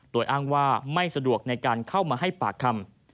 โดยอ้างว่าไม่สะดวกในการเข้ามาให้ปากคำ